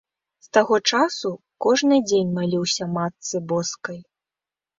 З таго часу кожны дзень маліўся матцы боскай.